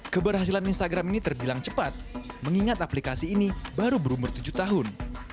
keberhasilan instagram ini terbilang cepat mengingat aplikasi ini baru berumur tujuh tahun